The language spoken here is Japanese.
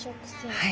はい。